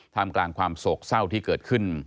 มกลางความโศกเศร้าที่เกิดขึ้น